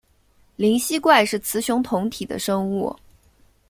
灵吸怪是雌雄同体的生物。